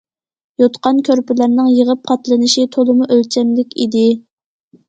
يوتقان- كۆرپىلەرنىڭ يىغىپ قاتلىنىشى تولىمۇ ئۆلچەملىك ئىدى.